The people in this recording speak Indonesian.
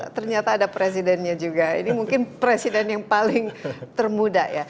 ternyata ada presidennya juga ini mungkin presiden yang paling termuda ya